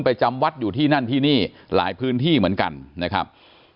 จำวัดอยู่ที่นั่นที่นี่หลายพื้นที่เหมือนกันนะครับ